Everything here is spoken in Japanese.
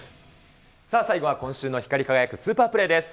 さあ、最後は今週の光り輝くスーパープレーです。